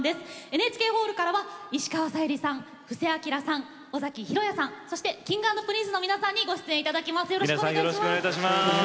ＮＨＫホールからは石川さゆりさん、布施明さん尾崎裕哉さん、そしてＫｉｎｇ＆Ｐｒｉｎｃｅの皆さんに、ご出演いただきます。